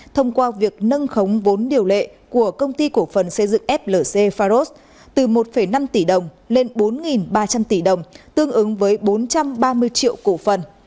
thông qua việc nâng khống vốn điều lệ của công ty cổ phần xây dựng flc pharos từ một năm tỷ đồng lên bốn ba trăm linh tỷ đồng tương ứng với bốn trăm ba mươi triệu cổ phần